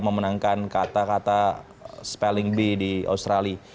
memenangkan kata kata spelling bee di australia